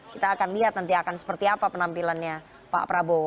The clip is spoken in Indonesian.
kita akan lihat nanti akan seperti apa penampilannya pak prabowo